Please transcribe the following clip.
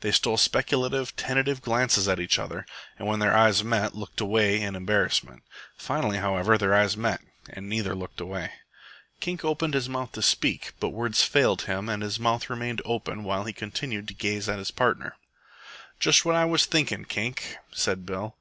They stole speculative, tentative glances at each other, and when their eyes met looked away in embarrassment. Finally, however, their eyes met and neither looked away. Kink opened his mouth to speak, but words failed him and his mouth remained open while he continued to gaze at his partner. "Just what I was thinken', Kink," said Bill.